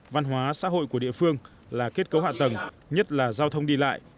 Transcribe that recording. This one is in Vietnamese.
văn hóa xã hội của địa phương là kết cấu hạ tầng nhất là giao thông đi lại